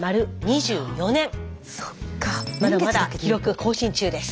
まだまだ記録更新中です。